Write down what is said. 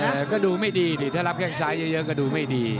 เดี๋ยวก็ดูไม่ดีถ้ารับแค่งซ้ายเยอะก็ดูไม่ดี